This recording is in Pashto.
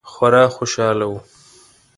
خورا خوشحاله وه.